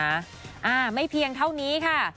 อ่าไม่เพียงเท่านี้ค่ะ